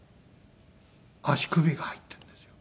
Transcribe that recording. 足首が入ってるんですよ。